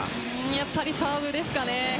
やっぱりサーブですかね。